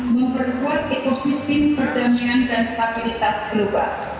sebagai anggota tindak tetap dewan keamanan pbb